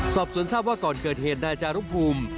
สอบสวนทราบว่าก่อนเกิดเหตุนายจารุภูมิ